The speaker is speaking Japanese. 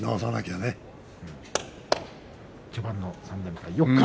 序盤の３連敗。